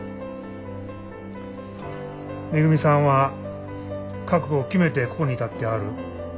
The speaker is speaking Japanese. めぐみさんは覚悟を決めてここに立ってはる。